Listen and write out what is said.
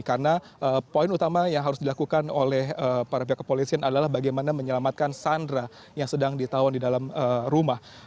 karena poin utama yang harus dilakukan oleh para pihak kepolisian adalah bagaimana menyelamatkan sandra yang sedang ditawan di dalam rumah